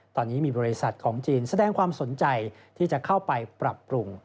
ตอนนี้มีบริษัทของจีนแสดงความสนใจที่จะเข้าไปปรับปรุง